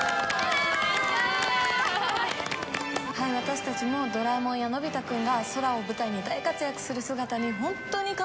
ワタシたちもドラえもんやのび太くんが空を舞台に大活躍する姿にホントに感動しました！